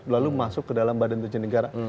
lalu masuk ke dalam badan usaha negara